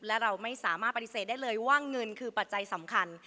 และเราไม่สามารถปฏิเสธได้เลยว่าเงินคือปัจจัยสำคัญ